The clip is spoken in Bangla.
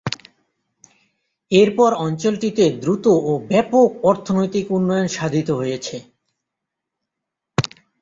এরপর অঞ্চলটিতে দ্রুত ও ব্যাপক অর্থনৈতিক উন্নয়ন সাধিত হয়েছে।